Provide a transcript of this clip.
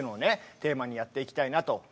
テーマにやっていきたいなと思ってます。